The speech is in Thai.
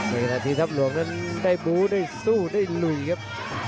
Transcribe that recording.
งั้นทัพหลวงคงได้มูลด้วยสู้ได้โลมา